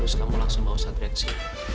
terus kamu langsung bawa satria ke sini